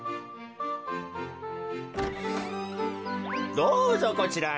どうぞこちらへ。